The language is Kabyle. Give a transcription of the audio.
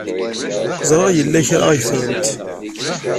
Ẓriɣ yella kra ay ffrent.